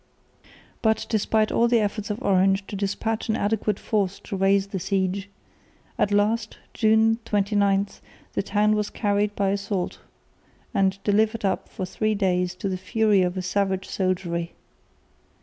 But, despite all the efforts of Orange to despatch an adequate force to raise the siege, at last (June 29) the town was carried by assault and delivered up for three days to the fury of a savage soldiery.